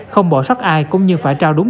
không bỏ sót ai cũng như phải trao đúng